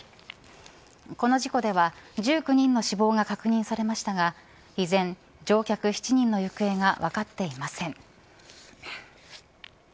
この事故では１９人の死亡が確認されましたが依然、乗客７人の行方が分かっていません。